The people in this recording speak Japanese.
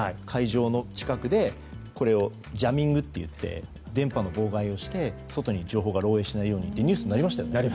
会場の近くでこれをジャミングといって電波の妨害をして外に情報が漏洩しないようにってニュースになりましたよね。